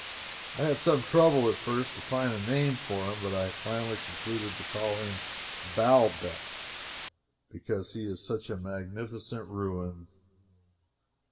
I had some trouble at first to find a name for him, but I finally concluded to call him Baalbec, because he is such a magnificent ruin.